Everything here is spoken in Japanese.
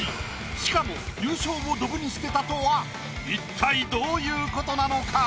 しかも優勝をドブに捨てたとは一体どういうことなのか？